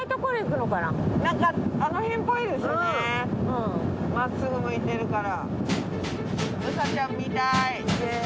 まっすぐ向いてるから。